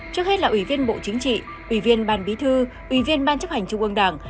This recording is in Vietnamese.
trước hết là ủy viên bộ chính trị ủy viên ban bí thư ủy viên ban chấp hành trung ương đảng